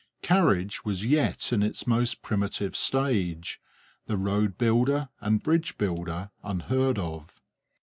Carriage was yet in its most primitive stage, the road builder and bridge builder unheard of.